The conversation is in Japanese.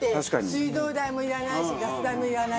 水道代もいらないしガス代もいらないし。